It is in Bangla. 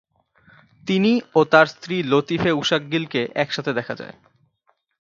তিনি ও তার স্ত্রী লতিফে উশাকগিলকে একসাথে দেখা যায়।